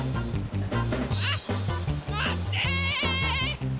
あっまって！